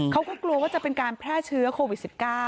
เขาก็กลัวว่าจะเป็นการแพร่เชื้อโควิด๑๙